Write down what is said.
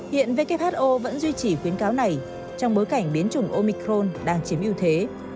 hiện who vẫn duy trì khuyến cáo này trong bối cảnh biến chủng omicron đang chiếm ưu thế